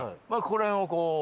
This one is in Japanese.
まあこれをこう。